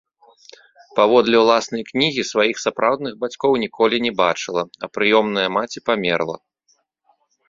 Паводле ўласнай кнігі, сваіх сапраўдных бацькоў ніколі не бачыла, а прыёмная маці памерла.